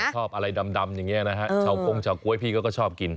ชอบอะไรดำอย่างนี้นะฮะชาวก้งชาวก๊วยพี่เขาก็ชอบกิน